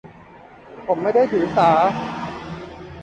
ผมไม่ได้ถือสา